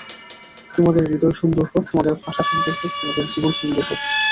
তোমাদের হৃদয় সুন্দর হোক, তোমাদের ভাষা সুন্দর হোক, তোমাদের জীবন সুন্দর হোক।